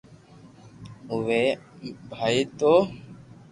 اوي ٻآٽئ تو